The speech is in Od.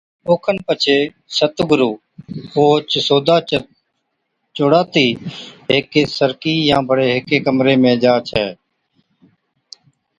اوکن پڇي ست گُرُو اوھچ سودا چوڙاتِي ھيڪِي سرڪِي يا بڙي ھيڪي ڪمري ۾ جا ڇَي